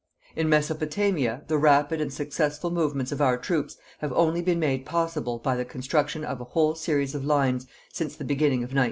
In Mesopotamia the rapid and successful movements of our troops have only been made possible by the construction of a whole series of lines since the beginning of 1917.